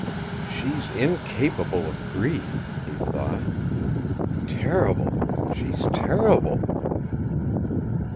"She's incapable of grief!" he thought. "Terrible! She's terrible!"